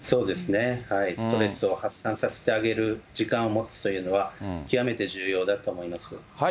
ストレスを発散させてあげる時間を持つというのは、極めて重要だと思います。